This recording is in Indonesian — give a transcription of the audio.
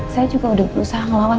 saya juga udah berusaha ngelawan